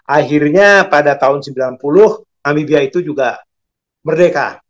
akhirnya pada tahun sembilan puluh amidia itu juga merdeka